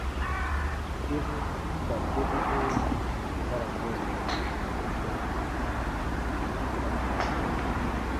Debu ka debubuu ba ra gɔnnɛwa.